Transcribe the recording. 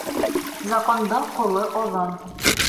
Закондың ҡулы оҙон.